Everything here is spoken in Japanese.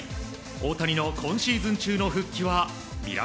大谷の今シーズン中の復帰は見ら